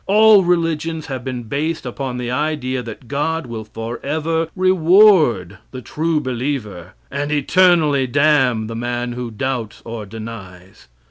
All religions have been based upon the idea that God will forever reward the true believer, and eternally damn the man who doubts or denies.